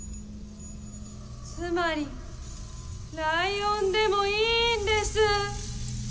つまりライオンでもいいんです。